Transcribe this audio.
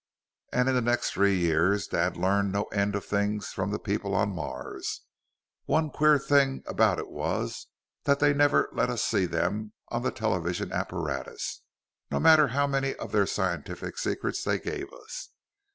"And in the next three years Dad learned no end of things from the people on Mars. One queer thing about it was, that they never let us see them on the television apparatus, no matter how many of their scientific secrets they gave us.